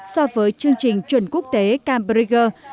so với chương trình chuẩn quốc tế cambriger